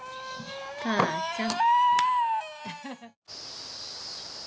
母ちゃん」。